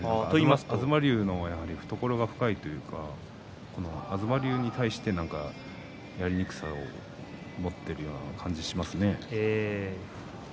東龍の方も懐が深いというか東龍に対して何かやりにくさを持っているような感じがしますね。